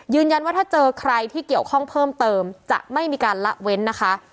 ยืนยันว่าถ้าเจอใครที่เกี่ยวข้องเพิ่มเติมจะไม่มีการละเว้นนะคะ